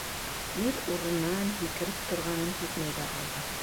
Ир урынынан һикереп торғанын һиҙмәй ҙә ҡалды.